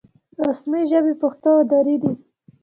رسمي ژبې پښتو او دري دي